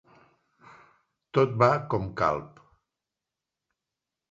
Tot va com Calp.